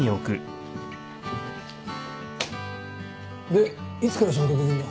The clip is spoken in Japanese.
でいつから仕事できんの。